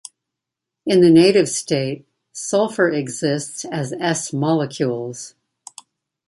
In the native state, sulfur exists as S molecules.